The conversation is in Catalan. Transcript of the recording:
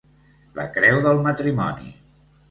La creu del matrimoni.